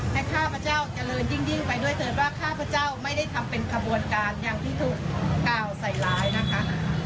ข้าพเจ้าเจริญยิ่งไปด้วยเถิดว่าข้าพเจ้าไม่ได้ทำเป็นขบวนการอย่างที่ถูกกล่าวใส่ร้ายนะคะ